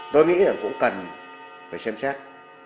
tôi nghĩ là cũng cần phải xem xét